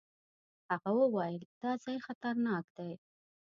هغه وويل دا ځای خطرناک دی.